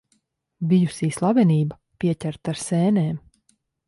Bijusī slavenība pieķerta ar sēnēm.